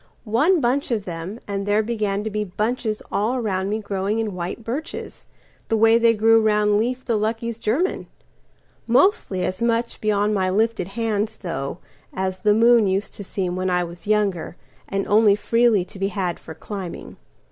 One bunch of them, and there began to beBunches all round me growing in white birches, The way they grew round Leif the Lucky's German; Mostly as much beyond my lifted hands, though, As the moon used to seem when I was younger, And only freely to be had for climbing.